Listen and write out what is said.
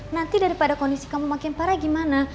nanti daripada kondisi kamu makin parah gimana